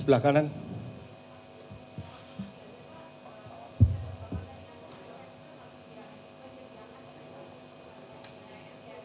terlalu bugatan di amerika